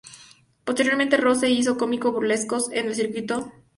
Posteriormente Ross se hizo cómico burlesco en el circuito Schuster en Chicago, Illinois.